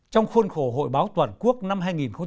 trong khuôn khổ hội báo toàn quốc năm hai nghìn một mươi chín